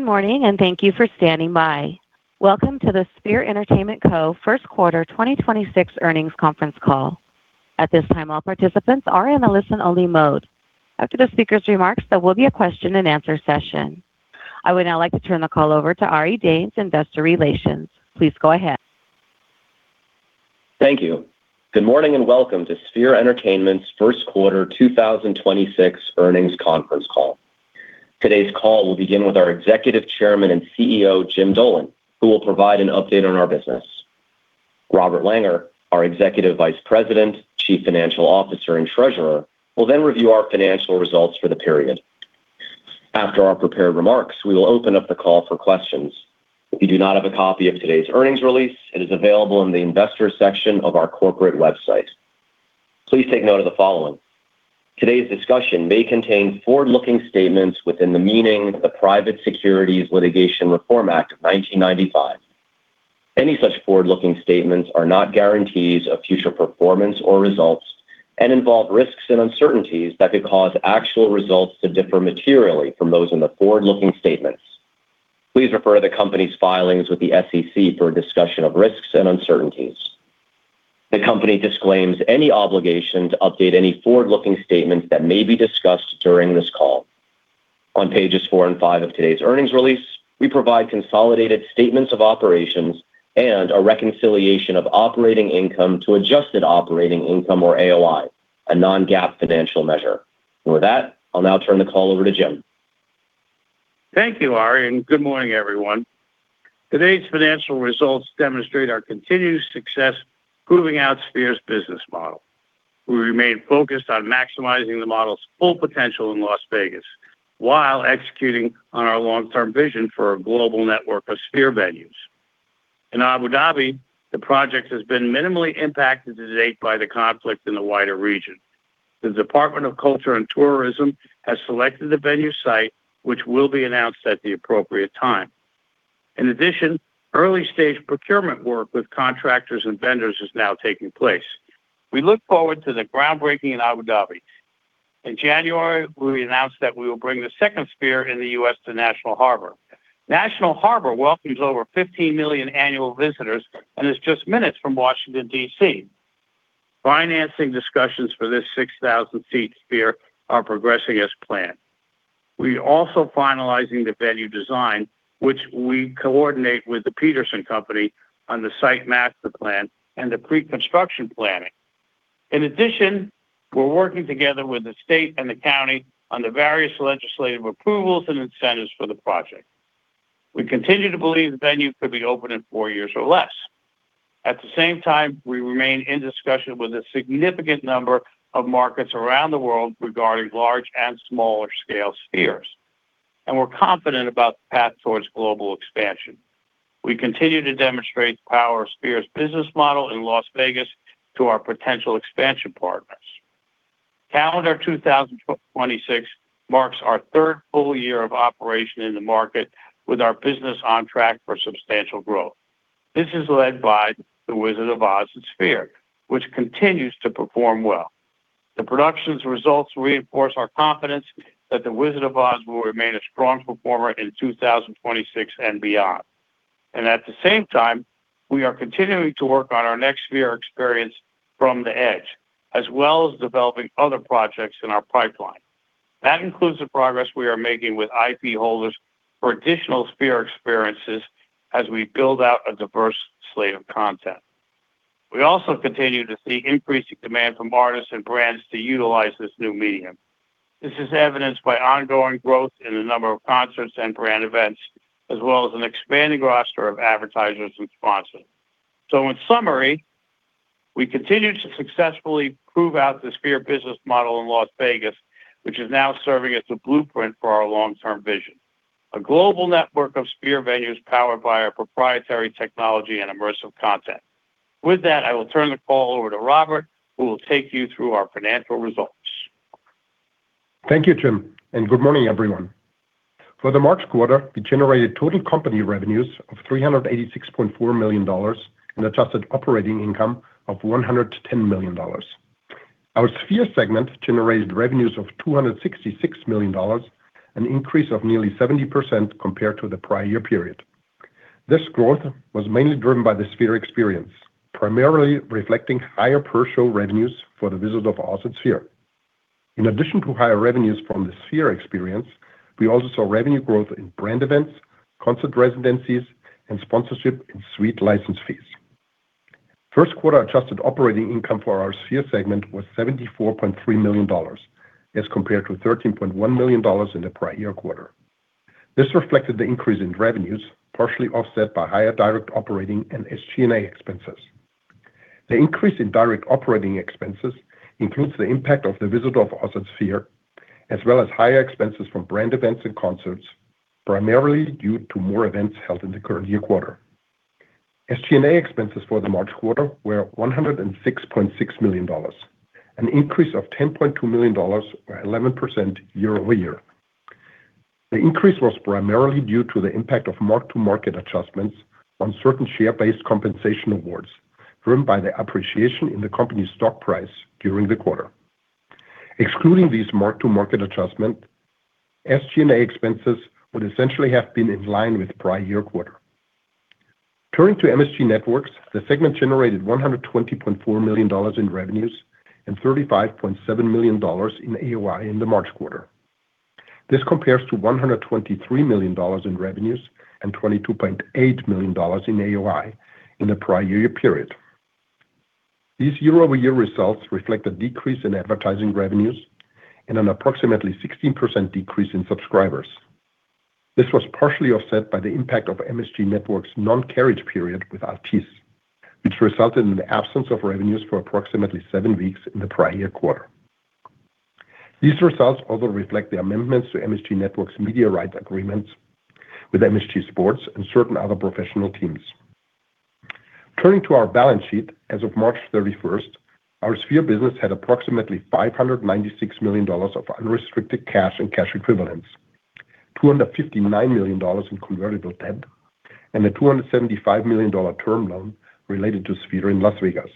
Good morning, and thank you for standing by. Welcome to the Sphere Entertainment Co First Quarter 2026 Earnings Conference Call. At this time, all participants are in a listen-only mode. After the speaker's remarks, there will be a question and answer session. I would now like to turn the call over to Ari Danes, Investor Relations. Please go ahead. Thank you. Good morning, and welcome to Sphere Entertainment's first quarter 2026 earnings conference call. Today's call will begin with our Executive Chairman and CEO, Jim Dolan, who will provide an update on our business. Robert Langer, our Executive Vice President, Chief Financial Officer, and Treasurer, will then review our financial results for the period. After our prepared remarks, we will open up the call for questions. If you do not have a copy of today's earnings release, it is available in the Investors section of our corporate website. Please take note of the following. Today's discussion may contain forward-looking statements within the meaning of the Private Securities Litigation Reform Act of 1995. Any such forward-looking statements are not guarantees of future performance or results and involve risks and uncertainties that could cause actual results to differ materially from those in the forward-looking statements. Please refer to the company's filings with the SEC for a discussion of risks and uncertainties. The company disclaims any obligation to update any forward-looking statements that may be discussed during this call. On pages four and five of today's earnings release, we provide consolidated statements of operations and a reconciliation of operating income to adjusted operating income or AOI, a non-GAAP financial measure. With that, I'll now turn the call over to Jim. Thank you, Ari, and good morning, everyone. Today's financial results demonstrate our continued success proving out Sphere's business model. We remain focused on maximizing the model's full potential in Las Vegas while executing on our long-term vision for a global network of sphere venues. In Abu Dhabi, the project has been minimally impacted to date by the conflict in the wider region. The Department of Culture and Tourism has selected the venue site, which will be announced at the appropriate time. In addition, early-stage procurement work with contractors and vendors is now taking place. We look forward to the groundbreaking in Abu Dhabi. In January, we announced that we will bring the second sphere in the U.S. to National Harbor. National Harbor welcomes over 15 million annual visitors and is just minutes from Washington, D.C. Financing discussions for this 6,000 seat sphere are progressing as planned. We are also finalizing the venue design, which we coordinate with Peterson Company on the site master plan and the pre-construction planning. In addition, we're working together with the state and the county on the various legislative approvals and incentives for the project. We continue to believe the venue could be open in four years or less. At the same time, we remain in discussion with a significant number of markets around the world regarding large and smaller scale spheres, and we're confident about the path towards global expansion. We continue to demonstrate the power of Sphere's business model in Las Vegas to our potential expansion partners. Calendar 2026 marks our third full year of operation in the market with our business on track for substantial growth. This is led by The Wizard of Oz at Sphere, which continues to perform well. The production's results reinforce our confidence that The Wizard of Oz will remain a strong performer in 2026 and beyond. At the same time, we are continuing to work on our next Sphere Experience From the Edge, as well as developing other projects in our pipeline. That includes the progress we are making with IP holders for additional Sphere Experiences as we build out a diverse slate of content. We also continue to see increasing demand from artists and brands to utilize this new medium. This is evidenced by ongoing growth in the number of concerts and brand events, as well as an expanding roster of advertisers and sponsors. In summary, we continue to successfully prove out the Sphere business model in Las Vegas, which is now serving as a blueprint for our long-term vision, a global network of Sphere venues powered by our proprietary technology and immersive content. With that, I will turn the call over to Robert, who will take you through our financial results. Thank you, Jim, and good morning, everyone. For the March quarter, we generated total company revenues of $386.4 million and adjusted operating income of $110 million. Our Sphere segment generated revenues of $266 million, an increase of nearly 70% compared to the prior year period. This growth was mainly driven by The Sphere Experience, primarily reflecting higher per-show revenues for The Wizard of Oz at Sphere. In addition to higher revenues from The Sphere Experience, we also saw revenue growth in brand events, concert residencies, and sponsorship and suite license fees. First quarter adjusted operating income for our Sphere segment was $74.3 million as compared to $13.1 million in the prior year quarter. This reflected the increase in revenues, partially offset by higher direct operating and SG&A expenses. The increase in direct operating expenses includes the impact of The Wizard of Oz at Sphere, as well as higher expenses from brand events and concerts, primarily due to more events held in the current year quarter. SG&A expenses for the March quarter were $106.6 million, an increase of $10.2 million or 11% year-over-year. The increase was primarily due to the impact of mark-to-market adjustments on certain share-based compensation awards driven by the appreciation in the company's stock price during the quarter. Excluding these mark-to-market adjustment, SG&A expenses would essentially have been in line with prior year quarter. Turning to MSG Networks, the segment generated $120.4 million in revenues and $35.7 million in AOI in the March quarter. This compares to $123 million in revenues and $22.8 million in AOI in the prior year period. These year-over-year results reflect a decrease in advertising revenues and an approximately 16% decrease in subscribers. This was partially offset by the impact of MSG Networks' non-carriage period without peace, which resulted in the absence of revenues for approximately seven weeks in the prior year quarter. These results also reflect the amendments to MSG Networks media rights agreements with MSG Sports and certain other professional teams. Turning to our balance sheet as of March 31st, our Sphere business had approximately $596 million of unrestricted cash and cash equivalents, $259 million in convertible debt, and a $275 million term loan related to Sphere in Las Vegas.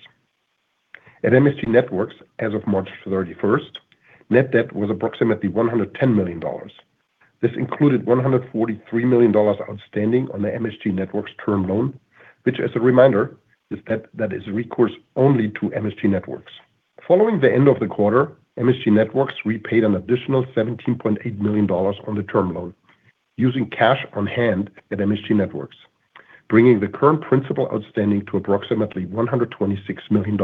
At MSG Networks, as of March 31st, net debt was approximately $110 million. This included $143 million outstanding on the MSG Networks term loan, which, as a reminder, is debt that is recourse only to MSG Networks. Following the end of the quarter, MSG Networks repaid an additional $17.8 million on the term loan using cash on hand at MSG Networks, bringing the current principal outstanding to approximately $126 million.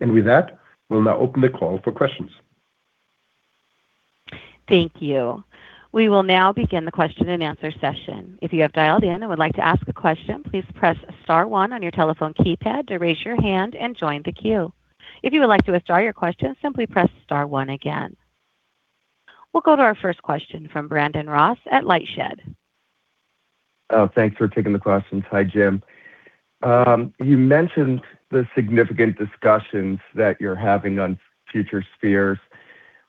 With that, we'll now open the call for questions. Thank you. We will now begin the question-and-answer session. We'll go to our first question from Brandon Ross at LightShed. Thanks for taking the questions. Hi, Jim. You mentioned the significant discussions that you're having on future Spheres.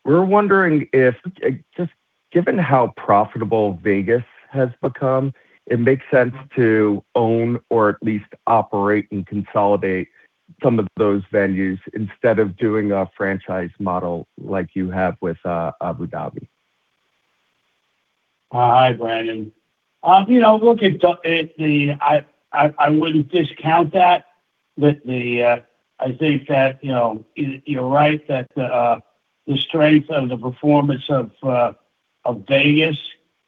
We're wondering if, just given how profitable Vegas has become, it makes sense to own or at least operate and consolidate some of those venues instead of doing a franchise model like you have with Abu Dhabi. Hi, Brandon. You know, I wouldn't discount that. I think that, you know, you're right that the strength of the performance of Vegas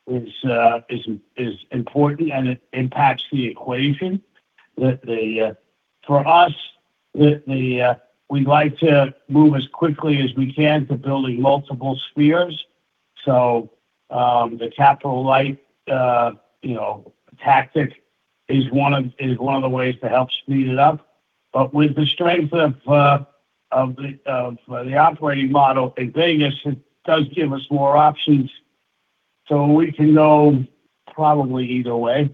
is important and it impacts the equation. For us, we like to move as quickly as we can to building multiple Spheres. The capital life, you know, tactic is one of the ways to help speed it up. With the strength of the operating model in Vegas, it does give us more options, we can go probably either way.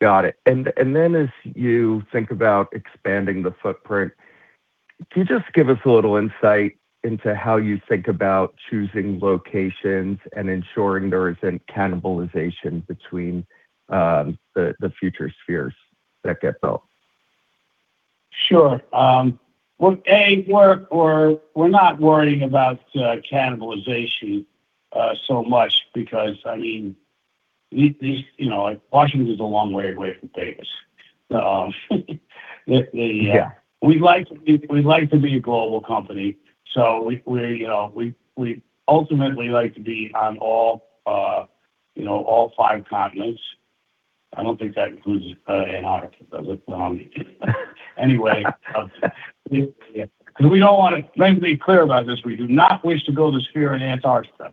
Got it. Then as you think about expanding the footprint, can you just give us a little insight into how you think about choosing locations and ensuring there isn't cannibalization between the future Spheres that get built? Sure. Well, A, we're not worrying about cannibalization so much because, I mean, you know, like Washington is a long way away from Vegas. We'd like to be a global company. We ultimately like to be on all, you know, all five continents. I don't think that includes Antarctica. Anyway. Let's be clear about this. We do not wish to build a Sphere in Antarctica.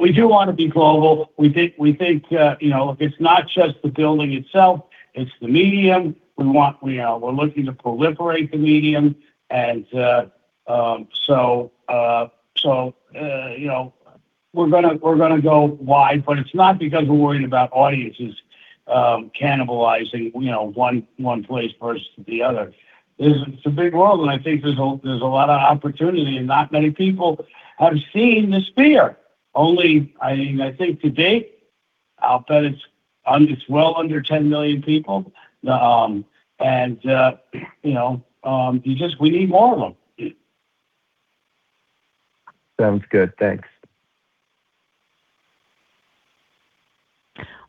We do wanna be global. We think, you know, it's not just the building itself, it's the medium. You know, we're looking to proliferate the medium, you know, we're gonna go wide, it's not because we're worried about audiences cannibalizing, you know, one place versus the other. It's a big world and I think there's a lot of opportunity and not many people have seen the Sphere. I mean, I think to date, I'll bet it's well under 10 million people. You know, we need more of 'em. Sounds good. Thanks.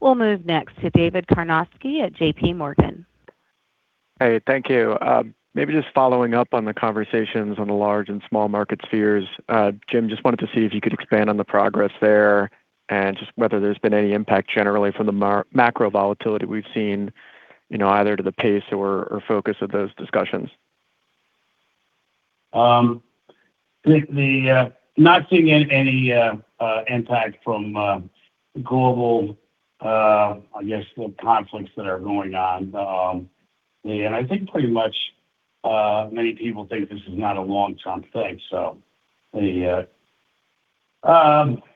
We'll move next to David Karnovsky at JPMorgan. Hey, thank you. Maybe just following up on the conversations on the large and small market spheres, Jim, just wanted to see if you could expand on the progress there and just whether there's been any impact generally from the macro volatility we've seen, you know, either to the pace or focus of those discussions. Not seeing any impact from global, I guess the conflicts that are going on. I think pretty much many people think this is not a long-term thing.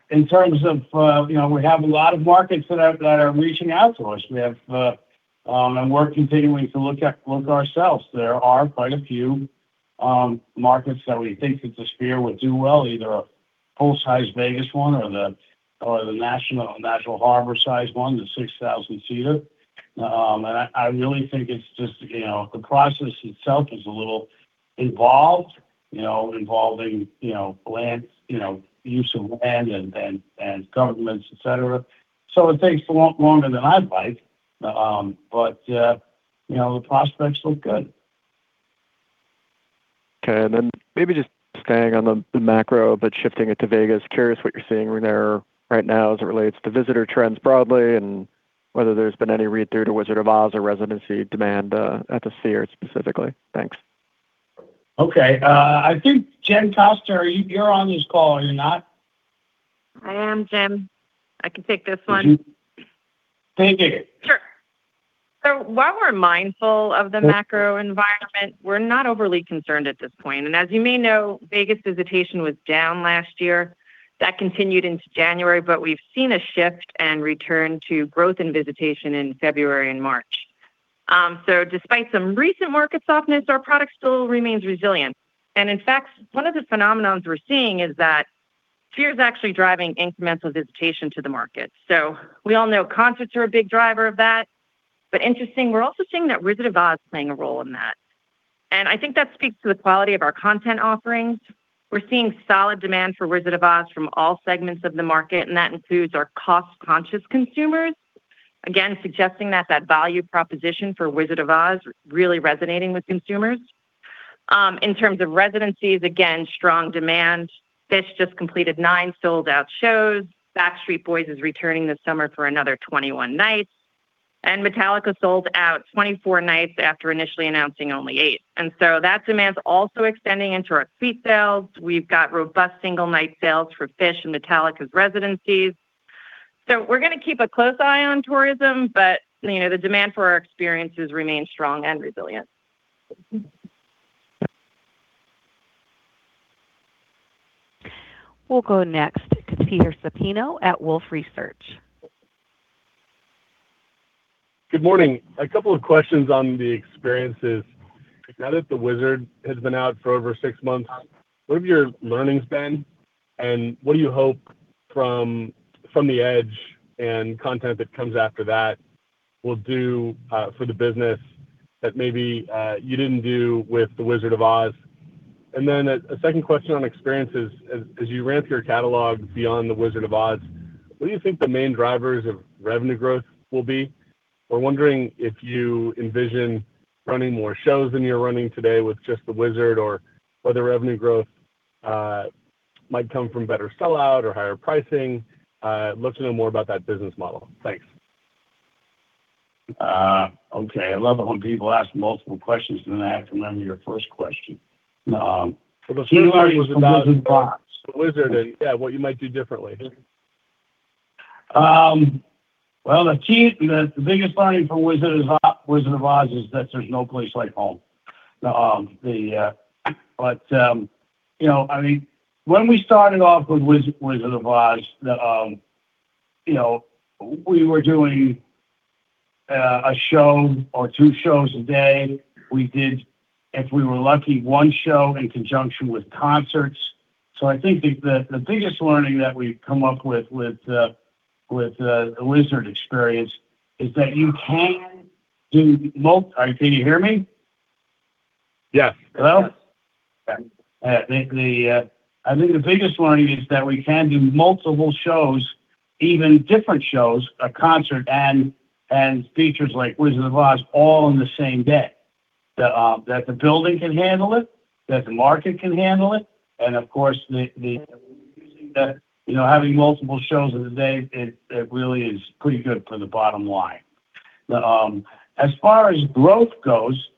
In terms of, you know, we have a lot of markets that are reaching out to us. We have, we're continuing to look ourselves. There are quite a few markets that we think that the Sphere would do well, either full-size Vegas one or the National Harbor size one, the 6,000-seater. I really think it's just, you know, the process itself is a little involved, you know, involving, you know, land, you know, use of land and governments, et cetera. It takes a lot longer than I'd like. You know, the prospects look good. Okay. Maybe just staying on the macro, but shifting it to Vegas. Curious what you're seeing there right now as it relates to visitor trends broadly and whether there's been any read-through to Wizard of Oz or residency demand at the Sphere specifically. Thanks. Okay. I think Jennifer Koester, you're on this call, are you not? I am, Jim. I can take this one. Thank you. Sure. While we're mindful of the macro environment, we're not overly concerned at this point. As you may know, Vegas visitation was down last year. That continued into January, but we've seen a shift and return to growth in visitation in February and March. Despite some recent market softness, our product still remains resilient. In fact, one of the phenomenons we're seeing is that Sphere's actually driving incremental visitation to the market. We all know concerts are a big driver of that. Interesting, we're also seeing that Wizard of Oz is playing a role in that. I think that speaks to the quality of our content offerings. We're seeing solid demand for Wizard of Oz from all segments of the market, and that includes our cost-conscious consumers. Again, suggesting that that value proposition for Wizard of Oz really resonating with consumers. In terms of residencies, again, strong demand. Phish just completed nine sold-out shows. Backstreet Boys is returning this summer for another 21 nights. Metallica sold out 24 nights after initially announcing only eight. That demand's also extending into our seat sales. We've got robust single night sales for Phish and Metallica's residencies. We're gonna keep a close eye on tourism, but you know, the demand for our experiences remains strong and resilient. We'll go next to Peter Supino at Wolfe Research. Good morning. A couple of questions on the experiences. Now that The Wizard has been out for over six months, what have your learnings been, and what do you hope from From the Edge and content that comes after that will do for the business that maybe you didn't do with The Wizard of Oz? Then a second question on experiences. As you ramp your catalog beyond The Wizard of Oz, what do you think the main drivers of revenue growth will be? We're wondering if you envision running more shows than you're running today with just The Wizard or whether revenue growth might come from better sell-out or higher pricing. Love to know more about that business model. Thanks. Okay. I love it when people ask multiple questions and then I have to remember your first question. The first one was. Wizard of Oz. the Wizard and, yeah, what you might do differently. Well, the biggest learning from Wizard of Oz is that there's no place like home. You know, I mean, when we started off with Wizard of Oz, you know, we were doing a show or two shows a day. We did, if we were lucky, one show in conjunction with concerts. I think the biggest learning that we've come up with the Wizard experience is that you can do mult. Can you hear me? Yes. I think the biggest learning is that we can do multiple shows, even different shows, a concert and features like The Wizard of Oz all on the same day. That the building can handle it, that the market can handle it, and of course, you know, having multiple shows in a day, it really is pretty good for the bottom line. As far as growth goes,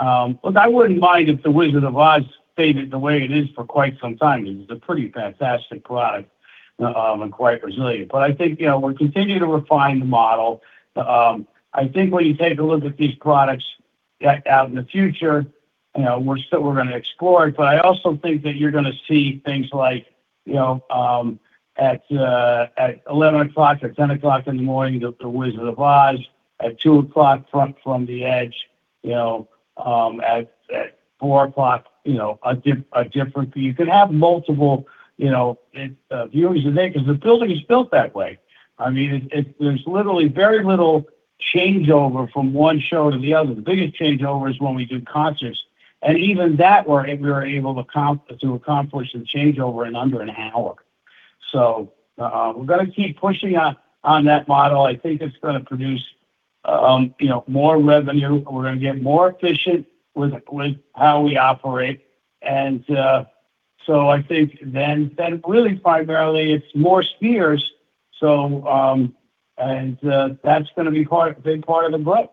look, I wouldn't mind if The Wizard of Oz stayed the way it is for quite some time. It's a pretty fantastic product and quite resilient. I think, you know, we'll continue to refine the model. I think when you take a look at these products out in the future, you know, we're gonna explore it, but I also think that you're gonna see things like, you know, at 11:00 A.M. or 10:00 A.M. in the morning, The Wizard of Oz, at 2:00 P.M. From the Edge, you know, at 4:00 P.M., you know, a different fee. You can have multiple, you know, views a day because the building is built that way. I mean, there's literally very little changeover from one show to the other. The biggest changeover is when we do concerts. Even that, we were able to accomplish the changeover in under an hour. We're gonna keep pushing on that model. I think it's gonna produce, you know, more revenue. We're gonna get more efficient with how we operate. I think then really primarily it's more Spheres. That's gonna be big part of the growth.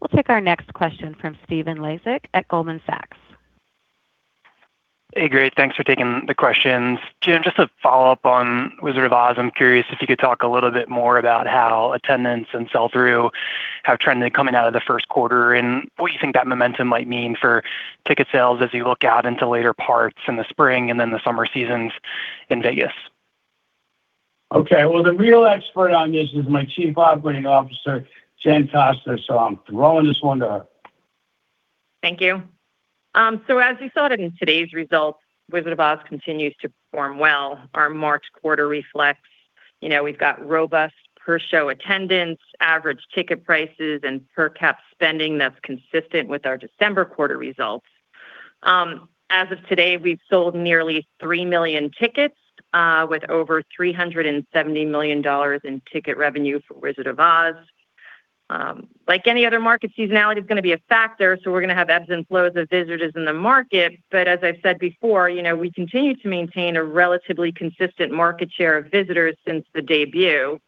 We'll take our next question from Stephen Laszczyk at Goldman Sachs. Hey, great. Thanks for taking the questions. Jim, just to follow up on Wizard of Oz, I'm curious if you could talk a little bit more about how attendance and sell-through have trended coming out of the first quarter and what you think that momentum might mean for ticket sales as you look out into later parts in the spring and then the summer seasons in Vegas. Okay. Well, the real expert on this is my Chief Operating Officer, Jennifer Koester, so I'm throwing this one to her. Thank you. As you saw it in today's results, Wizard of Oz continues to perform well. Our March quarter reflects, you know, we've got robust per-show attendance, average ticket prices, and per cap spending that's consistent with our December quarter results. As of today, we've sold nearly three million tickets, with over $370 million in ticket revenue for Wizard of Oz. Like any other market, seasonality is gonna be a factor, so we're gonna have ebbs and flows of visitors in the market. But as I've said before, you know, we continue to maintain a relatively consistent market share of visitors since the debut.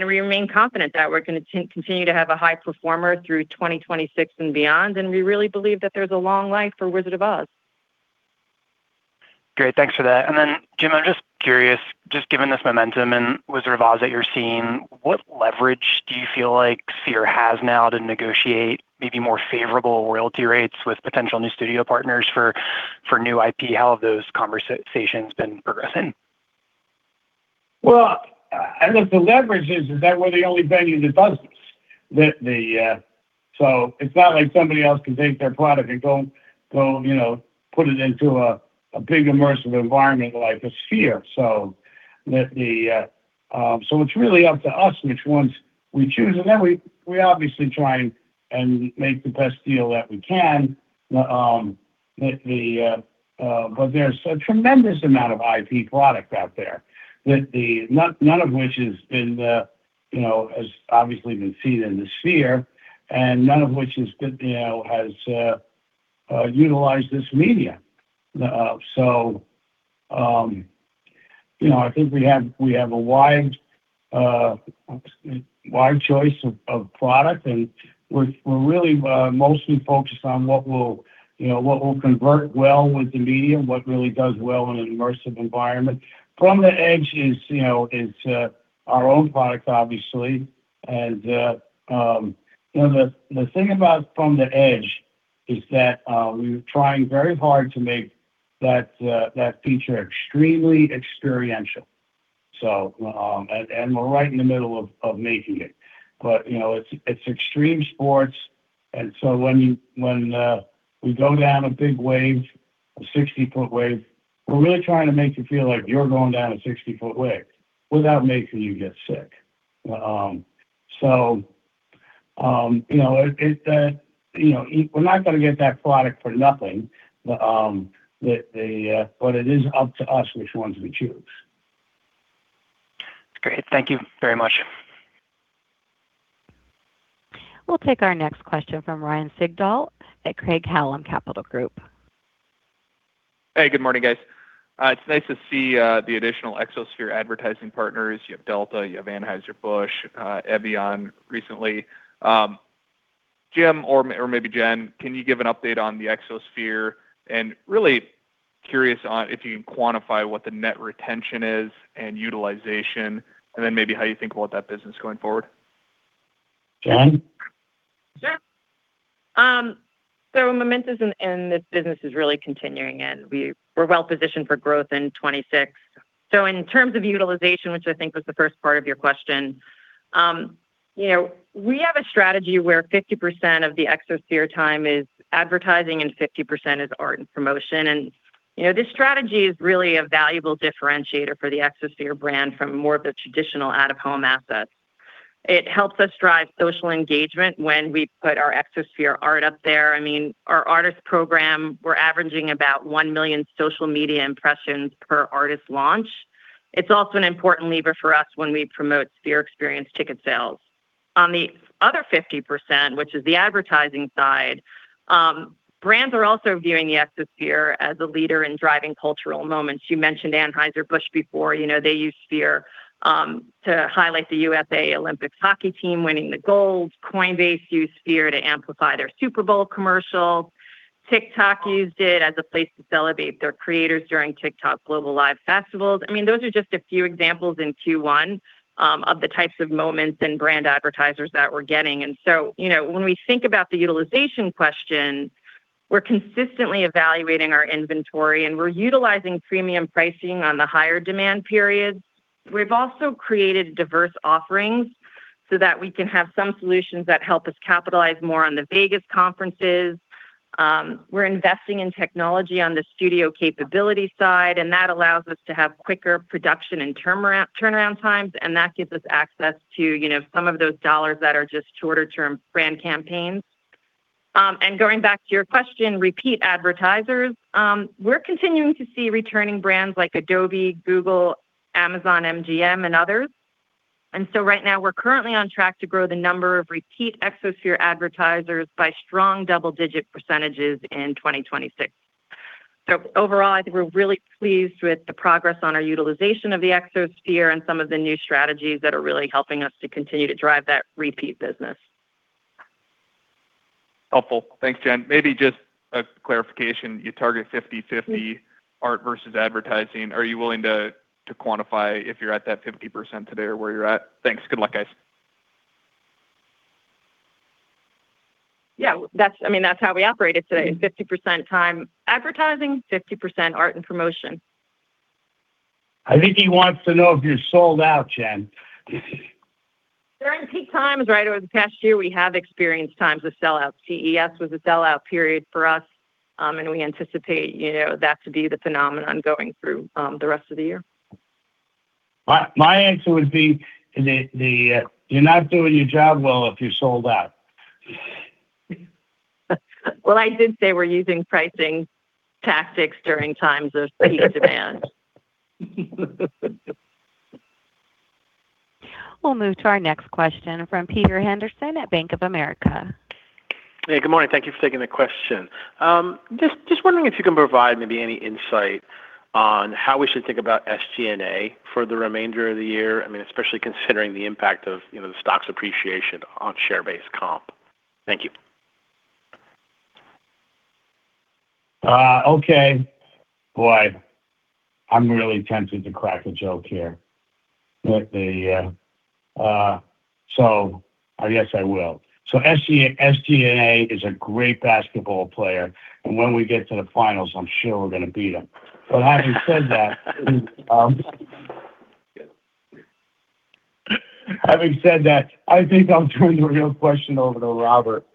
We remain confident that we're gonna continue to have a high performer through 2026 and beyond, and we really believe that there's a long life for Wizard of Oz. Great. Thanks for that. Jim, I'm just curious, just given this momentum in Wizard of Oz that you're seeing, what leverage do you feel like Sphere has now to negotiate maybe more favorable royalty rates with potential new studio partners for new IP? How have those conversations been progressing? I think the leverage is that we're the only venue that does this. It's not like somebody else can take their product and go, you know, put it into a big immersive environment like a Sphere. That the, so it's really up to us which ones we choose. We obviously try and make the best deal that we can. There's a tremendous amount of IP product out there that none of which has been, you know, has obviously been seen in the Sphere and none of which has been, you know, has utilized this medium. So, you know, I think we have a wide choice of product, and we're really mostly focused on what will, you know, convert well with the medium, what really does well in an immersive environment. From the Edge is, you know, our own product, obviously. You know, the thing about From the Edge is that we're trying very hard to make that feature extremely experiential. And we're right in the middle of making it. But, you know, it's extreme sports and so when we go down a big wave, a 60-foot wave, we're really trying to make you feel like you're going down a 60-foot wave without making you get sick. You know, you know, we're not gonna get that product for nothing. It is up to us which ones we choose. That's great. Thank you very much. We'll take our next question from Ryan Sigdahl at Craig-Hallum Capital Group. Hey, good morning, guys. It's nice to see the additional Exosphere advertising partners. You have Delta, you have Anheuser-Busch, Evian recently. Jim or maybe Jen, can you give an update on the Exosphere? Really curious on if you can quantify what the net retention is and utilization, and then maybe how you think about that business going forward. Jen. Sure. Momentum in this business is really continuing, and we're well positioned for growth in 2026. In terms of utilization, which I think was the first part of your question, you know, we have a strategy where 50% of the Exosphere time is advertising and 50% is art and promotion. You know, this strategy is really a valuable differentiator for the Exosphere brand from more of the traditional out-of-home assets. It helps us drive social engagement when we put our Exosphere art up there. I mean, our artist program, we're averaging about one million social media impressions per artist launch. It's also an important lever for us when we promote Sphere Experience ticket sales. On the other 50%, which is the advertising side, brands are also viewing the Exosphere as a leader in driving cultural moments. You mentioned Anheuser-Busch before. You know, they use Sphere to highlight the U.S. Men's Olympic Ice Hockey Team winning the gold. Coinbase used Sphere to amplify their Super Bowl commercial. TikTok used it as a place to celebrate their creators during TikTok global live festivals. I mean, those are just a few examples in Q1 of the types of moments and brand advertisers that we're getting. You know, when we think about the utilization question, we're consistently evaluating our inventory, we're utilizing premium pricing on the higher demand periods. We've also created diverse offerings so that we can have some solutions that help us capitalize more on the Vegas conferences. We're investing in technology on the studio capability side, that allows us to have quicker production and turnaround times, that gives us access to, you know, some of those dollars that are just shorter-term brand campaigns. Going back to your question, repeat advertisers, we're continuing to see returning brands like Adobe, Google, Amazon, MGM, and others. Right now, we're currently on track to grow the number of repeat Exosphere advertisers by strong double-digit percentage in 2026. Overall, I think we're really pleased with the progress on our utilization of the Exosphere and some of the new strategies that are really helping us to continue to drive that repeat business. Helpful. Thanks, Jen. Maybe just a clarification. You target 50/50 art versus advertising. Are you willing to quantify if you're at that 50% today or where you're at? Thanks. Good luck, guys. Yeah, I mean, that's how we operate it today. 50% time advertising, 50% art and promotion. I think he wants to know if you're sold out, Jen. During peak times, right, over the past year, we have experienced times of sellout. CES was a sellout period for us, and we anticipate, you know, that to be the phenomenon going through the rest of the year. My answer would be the, you're not doing your job well if you're sold out. Well, I did say we're using pricing tactics during times of peak demand. We'll move to our next question from Peter Henderson at Bank of America. Hey, good morning. Thank you for taking the question. Just wondering if you can provide maybe any insight on how we should think about SG&A for the remainder of the year, I mean, especially considering the impact of, you know, the stock's appreciation on share base comp. Thank you. Okay. Boy, I'm really tempted to crack a joke here with the. I guess I will. SG&A is a great basketball player, and when we get to the finals, I'm sure we're gonna beat them. Having said that, I think I'll turn the real question over to Robert.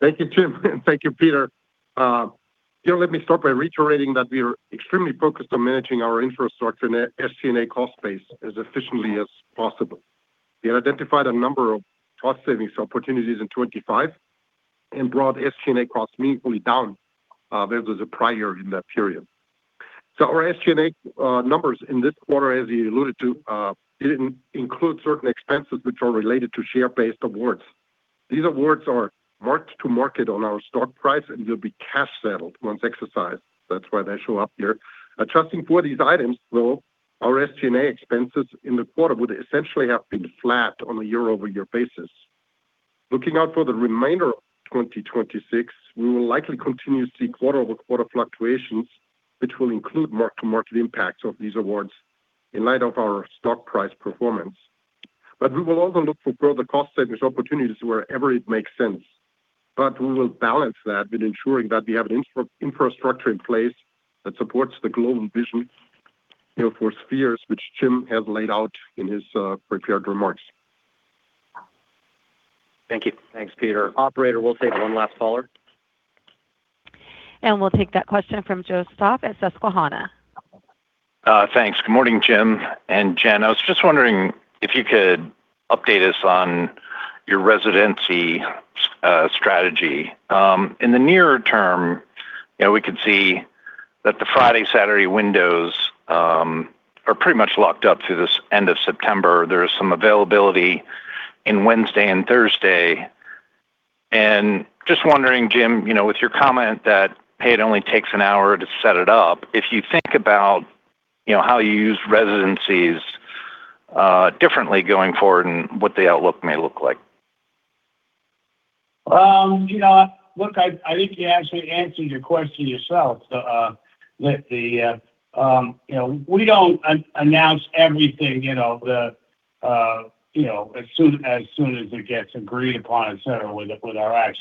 Thank you, Jim, and thank you, Peter. You know, let me start by reiterating that we are extremely focused on managing our infrastructure and SG&A cost base as efficiently as possible. We have identified a number of cost-savings opportunities in 2025 and brought SG&A costs meaningfully down versus the prior in that period. Our SG&A numbers in this quarter, as you alluded to, didn't include certain expenses which are related to share-based awards. These awards are marked to market on our stock price and will be cash settled once exercised. That's why they show up here. Adjusting for these items though, our SG&A expenses in the quarter would essentially have been flat on a year-over-year basis. Looking out for the remainder of 2026, we will likely continue to see quarter-over-quarter fluctuations, which will include mark-to-market impacts of these awards in light of our stock price performance. We will also look for further cost savings opportunities wherever it makes sense. We will balance that with ensuring that we have an infrastructure in place that supports the global vision, you know, for Sphere, which Jim has laid out in his prepared remarks. Thank you. Thanks, Peter. Operator, we'll take one last caller. We'll take that question from Joe Stauff at Susquehanna. Thanks. Good morning, Jim and Jen. I was just wondering if you could update us on your residency strategy. In the nearer term, you know, we could see that the Friday, Saturday windows are pretty much locked up through this end of September. There is some availability in Wednesday and Thursday. Just wondering, Jim, you know, with your comment that, hey, it only takes an hour to set it up, if you think about, you know, how you use residencies differently going forward and what the outlook may look like? You know, look, I think you actually answered your question yourself. With the, you know, we don't announce everything, you know, the, you know, as soon as it gets agreed upon, et cetera, with our acts.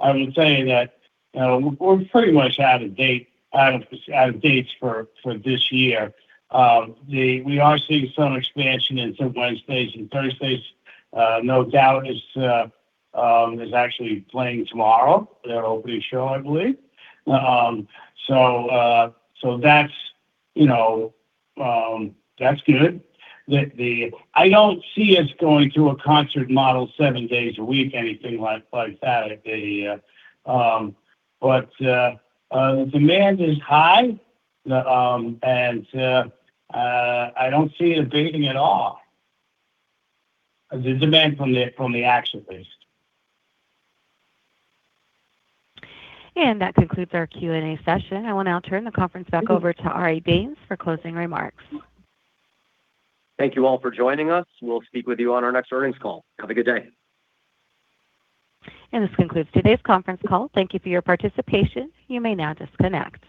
I would say that we're pretty much out of dates for this year. We are seeing some expansion into Wednesdays and Thursdays. No Doubt is actually playing tomorrow. They're opening a show, I believe. That's, you know, that's good. I don't see us going to a concert model seven days a week, anything like that. The demand is high, and I don't see it abating at all. The demand from the acts, at least. That concludes our Q&A session. I will now turn the conference back over to Ari Danes for closing remarks. Thank you all for joining us. We'll speak with you on our next earnings call. Have a good day. This concludes today's conference call. Thank you for your participation. You may now disconnect.